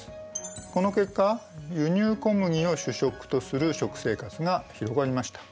この結果輸入小麦を主食とする食生活が広がりました。